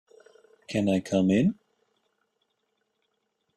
Can I come in?